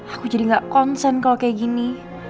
aku jadi gak konsen kalau kayak gini